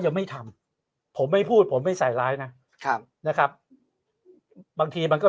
ยังไม่ทำผมไม่พูดผมไม่ใส่ร้ายนะครับนะครับบางทีมันก็